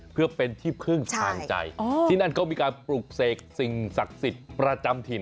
เพื่อเป็นที่พึ่งทางใจที่นั่นเขามีการปลุกเสกสิ่งศักดิ์สิทธิ์ประจำถิ่น